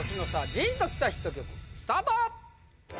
ジーンときたヒット曲スタート